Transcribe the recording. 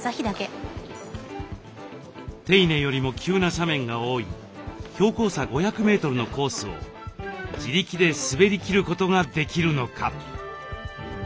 手稲よりも急な斜面が多い標高差５００メートルのコースを自力で滑りきることができるのか。